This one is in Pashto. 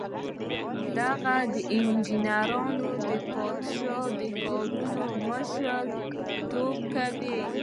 دغو انجینرانو د پادشاه د کارونو مشر توب کاوه.